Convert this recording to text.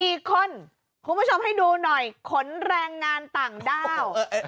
อีกคนคุณผู้ชมให้ดูหน่อยขนแรงงานต่างด้าว